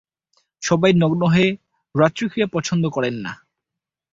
সবাই নগ্ন হয়ে রতিক্রিয়া পছন্দ করে না।